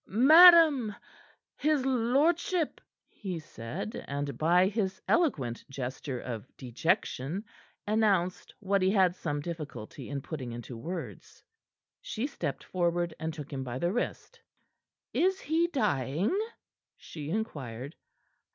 "Madam his lordship," he said, and by his eloquent gesture of dejection announced what he had some difficulty in putting into words. She stepped forward, and took him by the wrist. "Is he dying?" she inquired.